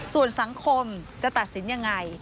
ส่วนสังคมจะตัดสินยังไง